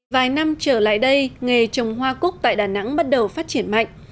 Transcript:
vài năm trở lại đây nghề trồng hoa cúc tại đà nẵng bắt đầu phát triển mạnh